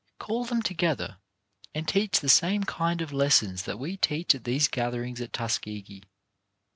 Call them together, and teach the same kind of lessons that we teach at these gatherings at Tuskegee.